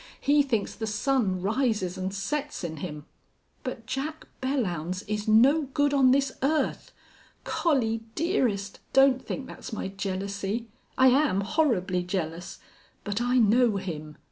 He thinks the sun rises and sets in him.... But Jack Belllounds is no good on this earth! Collie dearest, don't think that's my jealousy. I am horribly jealous. But I know him.